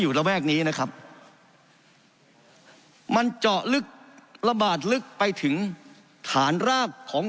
ระแวกนี้นะครับมันเจาะลึกระบาดลึกไปถึงฐานรากของ